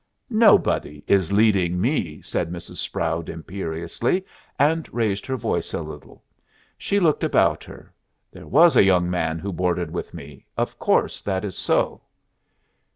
"Nobody is leading me," said Mrs. Sproud, imperiously, and raising her voice a little. She looked about her. "There was a young man who boarded with me. Of course that is so."